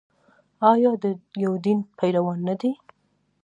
آیا د یو دین پیروان نه دي؟